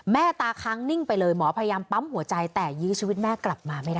ตาค้างนิ่งไปเลยหมอพยายามปั๊มหัวใจแต่ยื้อชีวิตแม่กลับมาไม่ได้